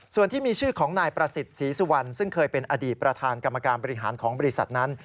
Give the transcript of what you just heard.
ส่วนที่มีชื่อของนายประสิทธิ์ศรีสุวรรณซึ่งเคยเป็นอดีตประธานกรรมการบริหารของบริษัทนั้น